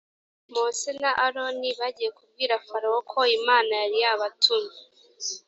mose na aroni bagiye kubwira farawo ko imana yari yabatumye